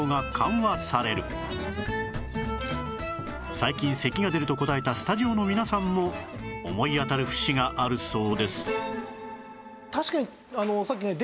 最近咳が出ると答えたスタジオの皆さんも思い当たる節があるそうです